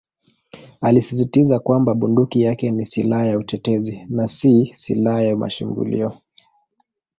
Alisisitiza kwamba bunduki yake ni "silaha ya utetezi" na "si silaha ya mashambulio".